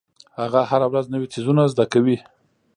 هغه هره ورځ نوې څیزونه زده کوي.